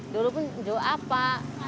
dulu pun juga pak